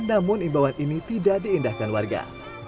namun imbauan ini tidak diindahkan warga